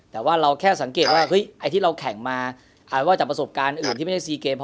แต่ว่าเราแค่สังเกตว่าไอ้ที่เราแข่งมาจากประสบการณ์อื่นที่ไม่ใช่ซีเกม